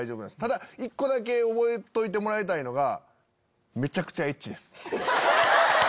ただ１個だけ覚えといてもらいたいのが。